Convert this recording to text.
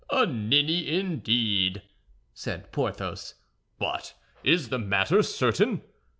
"A ninny, indeed!" said Porthos; "but is the matter certain?"